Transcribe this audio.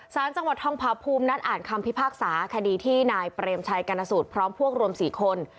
สารจังหวัดทองพาภูมินัดอ่านคำพิพากษาคดีที่นายเปรมชัยกรณสูตรพร้อมพวกรวม๔คน